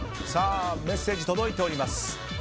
メッセージ届いております。